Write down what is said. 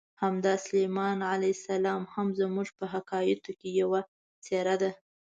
همداسې سلیمان علیه السلام هم زموږ په حکایتونو کې یوه څېره ده.